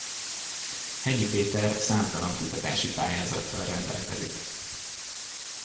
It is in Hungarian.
Hegyi Péter számtalan kutatási pályázattal rendelkezik.